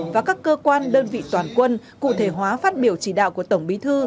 và các cơ quan đơn vị toàn quân cụ thể hóa phát biểu chỉ đạo của tổng bí thư